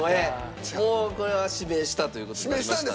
もうこれは指名したという事になりましたので。